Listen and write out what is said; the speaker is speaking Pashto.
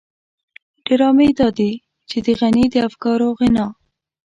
ډرامې دادي چې د غني د افکارو غنا.